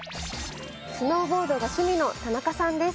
スノーボードが趣味の田中さんです。